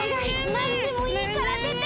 なんでもいいからでて！